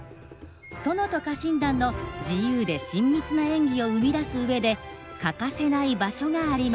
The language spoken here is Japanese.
殿と家臣団の自由で親密な演技を生み出す上で欠かせない場所があります。